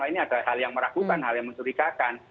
ini ada hal yang meragukan hal yang mencurigakan